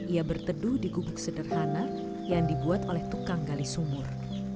ia berteduh di gubuk sederhana yang dibuat oleh tukang gali sumur